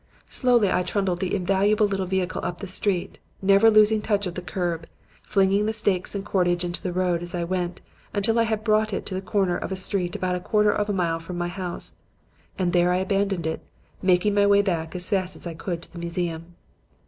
Slowly I trundled the invaluable little vehicle up the street, never losing touch of the curb, flinging the stakes and cordage into the road as I went, until I had brought it to the corner of a street about a quarter of a mile from my house; and there I abandoned it, making my way back as fast as I could to the museum.